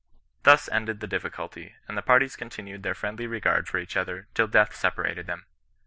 Thus ended the difficulty, and the parties continued their friendly regard for each other till death separated them.